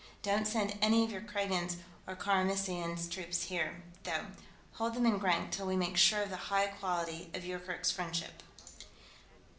Don't send any of your Kragans or Karamessinis' troops here, though; hold them in Grank till we make sure of the quality of Yoorkerk's friendship."